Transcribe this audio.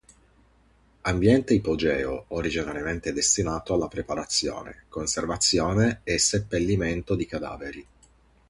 Ambiente ipogeo originariamente destinato alla preparazione, conservazione e seppellimento di cadaveri.